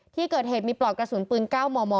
ที่เกิดเหตุมีปลอกกระสุนปืน๙มม